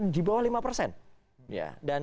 di bawah lima persen